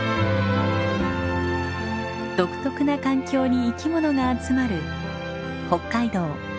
独特な環境に生き物が集まる北海道ヨコスト湿原。